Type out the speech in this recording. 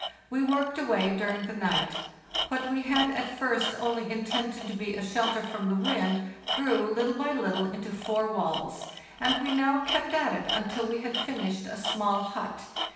We worked away during the night. What we had at first only intended to be a shelter from the wind grew, little by little, into four walls ; and we now kept at it until we had finished a small hut.